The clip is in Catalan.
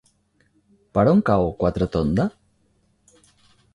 Per on cau Quatretonda?